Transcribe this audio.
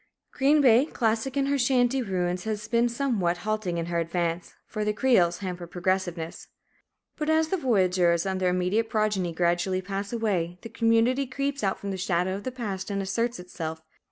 Green Bay, classic in her shanty ruins, has been somewhat halting in her advance, for the creoles hamper progressiveness. But as the voyageurs and their immediate progeny gradually pass away, the community creeps out from the shadow of the past and asserts itself.